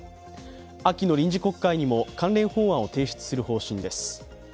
秋の臨時国会にも関連法案を提出する方針です。